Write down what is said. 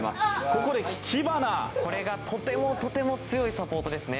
これがとてもとても強いサポートですね。